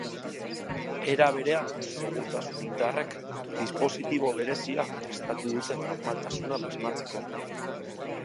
Era berean, segurtasun indarrek dispositibo berezia prestatu dute normaltasuna bermatzeko.